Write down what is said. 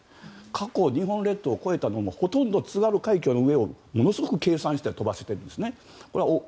過去日本列島の上を飛んだものも津軽海峡の上をものすごく計算して飛ばせているんです。